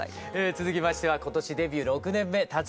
続きましては今年デビュー６年目辰巳ゆうとさんです。